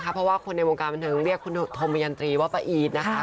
เพราะว่าคนในวงการบันเทิงเรียกคุณธมยันตรีว่าป้าอีทนะคะ